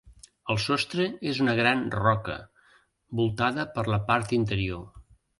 El sostre és una gran roca, voltada per la part interior.